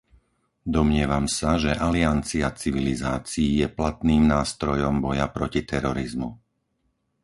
Domnievam sa, že Aliancia civilizácií je platným nástrojom boja proti terorizmu.